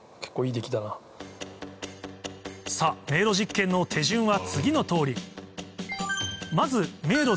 さぁ迷路実験の手順は次の通り